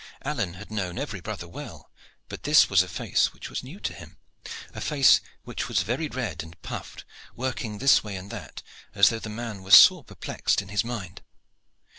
Alleyne had known every brother well, but this was a face which was new to him a face which was very red and puffed, working this way and that, as though the man were sore perplexed in his mind.